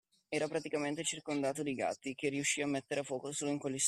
Era praticamente circondato di gatti, che riuscì a mettere a fuoco solo in quell’istante.